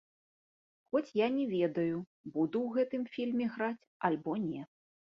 Хоць я не ведаю, буду ў гэтым фільме граць альбо не.